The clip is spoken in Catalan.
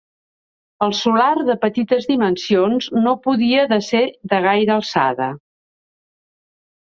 El solar, de petites dimensions, no podia de ser de gaire alçada.